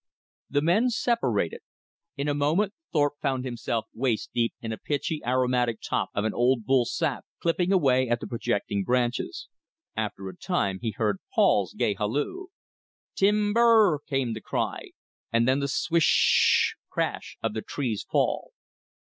The men separated. In a moment Thorpe found himself waist deep in the pitchy aromatic top of an old bull sap, clipping away at the projecting branches. After a time he heard Paul's gay halloo. "TimBER!" came the cry, and then the swish sh sh, CRASH of the tree's fall.